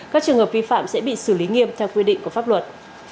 các trường hợp vi phạm sẽ bị xử lý nghiêm theo quy định của pháp luật